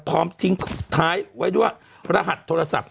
พร้อมทิ้งท้ายไว้ด้วยรหัสโทรศัพท์